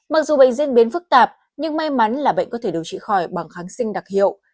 mặc dù bệnh diễn biến phức tạp nhưng may mắn là bệnh có thể điều trị khỏi bằng kháng sinh đặc hiệu